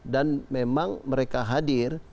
dan memang mereka hadir